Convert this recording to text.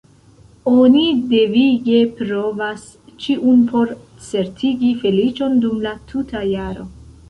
Oni devige provas ĉiun por certigi feliĉon dum la tuta jaro.